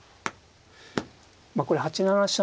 まあこれ８七飛車